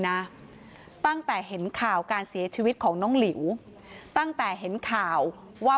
นะตั้งแต่เห็นข่าวการเสียชีวิตของน้องหลิวตั้งแต่เห็นข่าวว่า